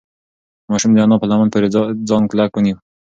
ماشوم د انا په لمن پورې ځان کلک ونیو.